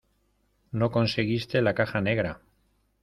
no conseguiste la caja negra.